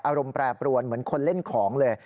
อารมณ์แปรปรวนเหมือนคนเล่นของเลย